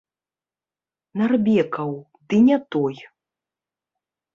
Нарбекаў, ды не той.